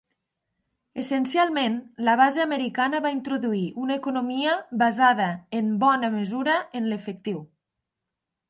Essencialment, la base americana va introduir una economia basada en bona mesura en l'efectiu.